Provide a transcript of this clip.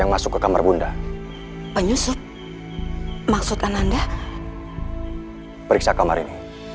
aku akan menemani pak man